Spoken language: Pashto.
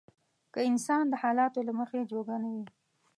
که انسان د حالاتو له مخې جوګه نه وي.